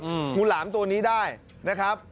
งูหลามตัวนี้ได้นะครับ